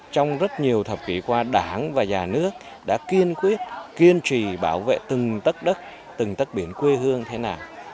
trong rất nhiều thập kỷ qua đảng và nhà nước đã kiên quyết kiên trì bảo vệ từng tất đất từng tất biển quê hương thế nào